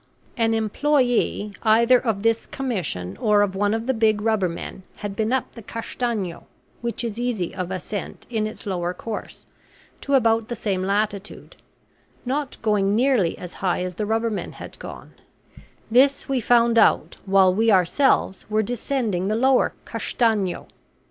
An employee, either of this commission or of one of the big rubbermen, had been up the Castanho, which is easy of ascent in its lower course, to about the same latitude, not going nearly as high as the rubbermen had gone; this we found out while we ourselves were descending the lower Castanho.